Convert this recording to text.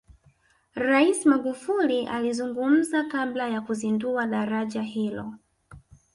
rais magufuli alizungumza kabla ya kuzindua daraja hilo